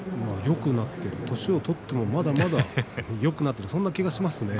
年を取ってもまだまだよくなっているそんな感じがしますね。